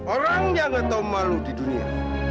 orang yang gak tau malu di dunia